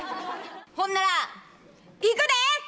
ほんならいくで！